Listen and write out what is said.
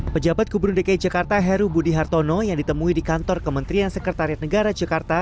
pejabat gubernur dki jakarta heru budi hartono yang ditemui di kantor kementerian sekretariat negara jakarta